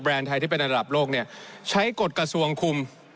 ไทยที่เป็นระดับโลกเนี่ยใช้กฎกระทรวงคุม